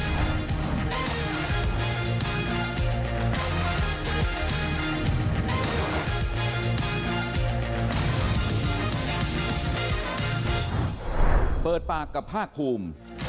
เปิดปากกับภาคภูมิ